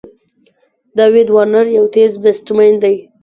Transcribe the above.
داويد وارنر یو تېز بېټسمېن دئ.